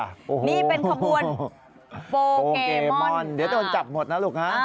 นี่เป็นขบวนโปเกมอนเดี๋ยวโดนจับหมดนะลูกฮะ